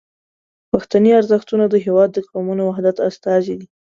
پښتني ارزښتونه د هیواد د قومونو وحدت استازي دي.